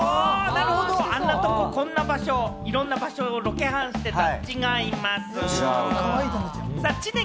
あんなとこ、こんな場所、いろんな場所をロケハンしてた。